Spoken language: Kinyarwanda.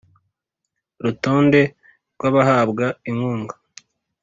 Rutonde rw abahabwa inkunga